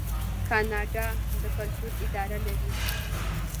کاناډا د کلتور اداره لري.